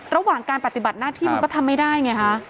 ระหว่างการปฏิบัติหน้าที่มันก็ทำไม่ได้ไงฮะ